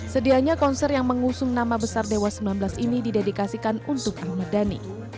sedianya konser yang mengusung nama besar dewa sembilan belas ini didedikasikan untuk ahmad dhani